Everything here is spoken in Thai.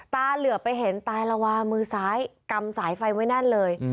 ตาเหลือไปเห็นตาละวามือซ้ายกำสายไฟไว้แน่นเลย